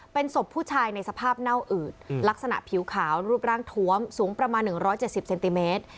เป็นศพผู้ชายในสภาพเน่าอืดลักษณะผิวขาวรูปร่างทวมสูงประมาณ๑๗๐เซนติเมตร